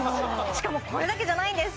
しかもこれだけじゃないんです